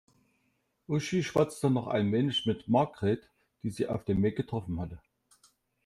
Uschi schwatzte noch ein wenig mit Margret, die sie auf dem Weg getroffen hatte.